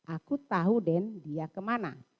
aku tahu den dia kemana